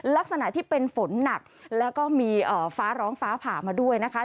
ลักษณะที่เป็นฝนหนักแล้วก็มีฟ้าร้องฟ้าผ่ามาด้วยนะคะ